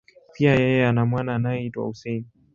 Pia, yeye ana mwana anayeitwa Hussein.